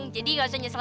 jadi gak usah nyesel